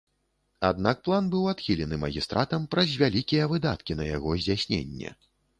Аднак план быў адхілены магістратам праз вялікія выдаткі на яго здзяйсненне.